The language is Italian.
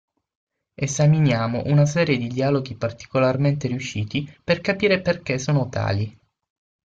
Esaminiamo una serie di dialoghi particolarmente riusciti per capire perché sono tali.